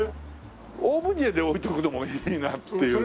オブジェで置いとくのもいいなっていう。